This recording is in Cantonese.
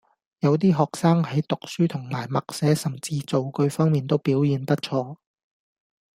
有啲學生喺讀書同埋默寫甚至造句方面都表現不錯